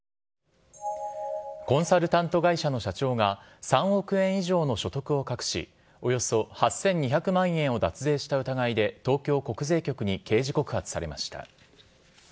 コンサルタント会社の社長が３億円以上の所得を隠し、およそ８２００万円を脱税した疑いで東京国税局に刑事告発されました。